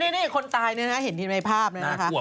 นี่คนตายเนี่ยนะเห็นในภาพเลยนะคะ